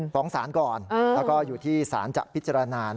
ฟ้องศาลก่อนแล้วก็อยู่ที่สารจะพิจารณา